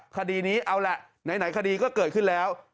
คดีนี้เอาล่ะไหนคดีก็เกิดขึ้นแล้ว